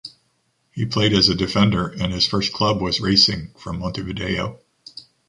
He played as a defender and his first club was Racing from Montevideo.